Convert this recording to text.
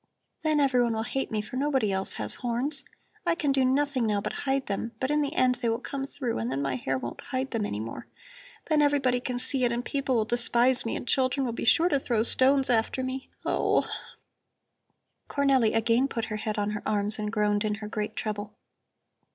Then everyone will hate me, for nobody else has horns. I can do nothing now but hide them, but in the end they will come through and then my hair won't hide them any more. Then everybody can see it and people will despise me and children will be sure to throw stones after me. Oh!" Cornelli again put her head on her arms and groaned in her great trouble.